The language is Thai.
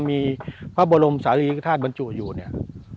มีพระบรมศาลีกธาตุบรรจุอยู่เนี่ย